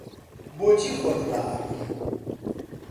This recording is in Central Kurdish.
بۆچی خۆت ڕائەگری؟